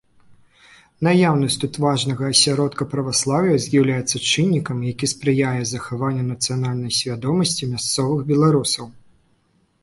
Наяўнасць тут важнага асяродка праваслаўя з'яўляецца чыннікам, які спрыяе захаванню нацыянальнай свядомасці мясцовых беларусаў.